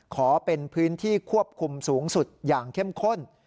ขอเป็นพื้นที่ควบคุมสูงสุดอย่างเข้มข้น